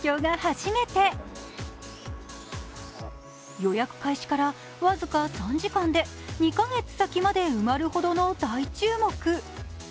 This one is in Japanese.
予約開始からわずか３時間で、２カ月先が埋まるほどの大注目。